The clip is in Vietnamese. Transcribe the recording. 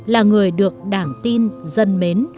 là người được đảng tin dân mến